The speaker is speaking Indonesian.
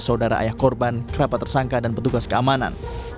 saudara ayah korban kerabat tersangka dan petugas keamanan